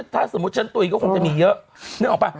ถ้าสมมุติฉันตุ๋ยก็คงจะมีเยอะนึกออกป่ะ